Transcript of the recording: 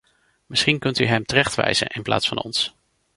Misschien kunt u hem terechtwijzen in plaats van ons.